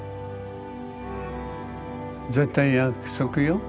絶対約束よ？